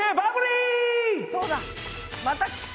そうだ。